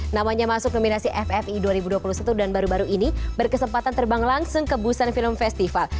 namanya masuk nominasi ffi dua ribu dua puluh satu dan baru baru ini berkesempatan terbang langsung ke busan film festival